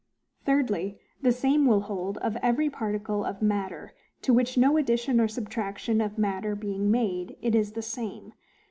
Thirdly, The same will hold of every PARTICLE OF MATTER, to which no addition or subtraction of matter being made, it is the same.